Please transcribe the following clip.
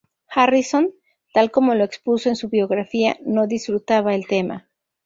Harrison, tal como lo expuso en su biografía, no disfrutaba el tema.